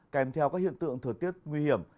kèm theo các hiện tượng thừa tiết nguy hiểm